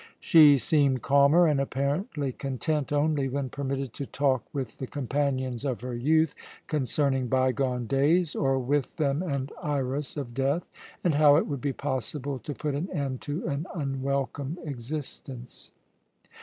She seemed calmer and apparently content only when permitted to talk with the companions of her youth concerning bygone days, or with them and Iras of death, and how it would be possible to put an end to an unwelcome existence.